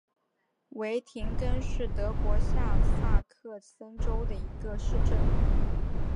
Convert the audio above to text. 维廷根是德国下萨克森州的一个市镇。